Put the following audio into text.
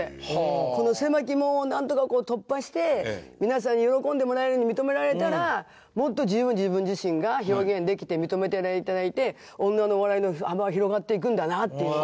この狭き門をなんとかこう突破して皆さんに喜んでもらえるように認められたらもっと自分自身が表現できて認めて頂いて女のお笑いの幅は広がっていくんだなっていう。